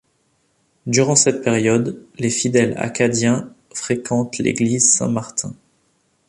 Durant cette période, les fidèles acadiens fréquentent l'église Saint-Martin.